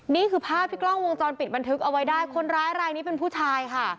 นี่คือภาพที่กล้องวงจรปิดบันทึกเอาไว้ได้คนร้ายรายนี้เป็นผู้ชายค่ะ